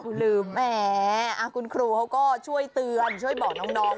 คุณลืมแหมคุณครูเขาก็ช่วยเตือนช่วยบอกน้อง